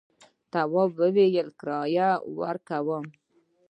تواب وویل کرايه ورکوم.